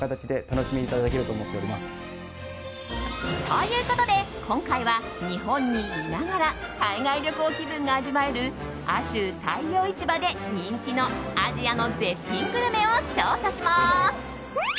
ということで今回は日本にいながら海外旅行気分が味わえる亜州太陽市場で人気のアジアの絶品グルメを調査します。